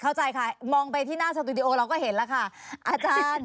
เข้าใจค่ะมองไปที่หน้าสตูดิโอเราก็เห็นแล้วค่ะอาจารย์